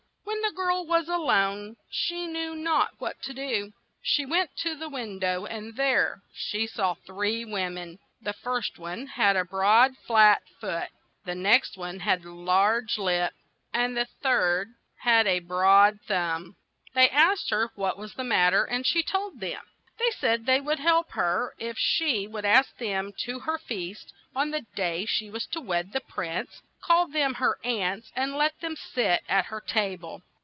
When the girl was a lone, she knew not what to do. She went to the win dow, and there she saw three wom en. The first one had a broad flat foot, the next one had a large lip, and the third had a broad thumb. They asked her what was the mat ter, and she told them. They said they would help her if she would ask them to her feast on the day she was to wed the prince, call them her aunts, and let them sit at her table.